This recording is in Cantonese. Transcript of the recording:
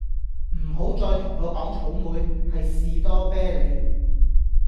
唔好再同我講草莓，係士多啤利